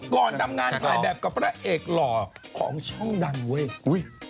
ก่อนทำงานถ่ายแบบกับพระเอกหล่อของช่องดังเว้ย